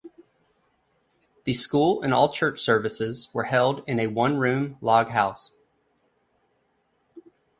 The school and all church services were held in a one-room log house.